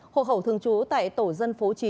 hộ khẩu thường trú tại tổ dân phố chín